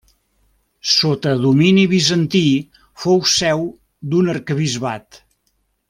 Sota domini bizantí fou seu d'un arquebisbat.